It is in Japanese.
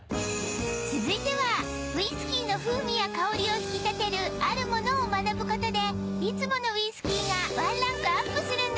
続いてはウイスキーの風味や香りを引き立てるあるものを学ぶ事でいつものウイスキーがワンランクアップするんだとか